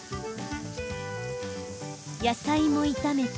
野菜も炒めて